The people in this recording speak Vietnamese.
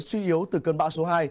suy yếu từ cơn bão số hai